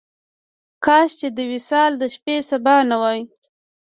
کاش چې د وصال د شپې سبا نه وای.